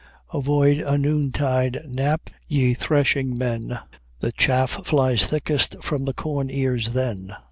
"Avoid a noon tide nap, ye threshing men: The chaff flies thickest from the corn ears then.